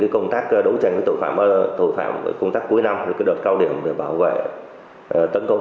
công tác đấu tranh với tội phạm tội phạm công tác cuối năm đợt cao điểm để bảo vệ tấn công